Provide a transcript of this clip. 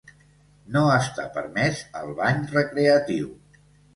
No està permès el "bany recreatiu".